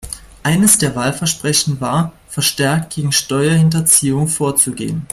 Eines der Wahlversprechen war, verstärkt gegen Steuerhinterziehung vorzugehen.